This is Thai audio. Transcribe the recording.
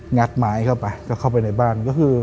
งัดไม้เข้าไปเข้าไปในบ้าน